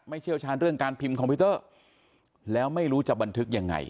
เชี่ยวชาญเรื่องการพิมพ์คอมพิวเตอร์แล้วไม่รู้จะบันทึกยังไง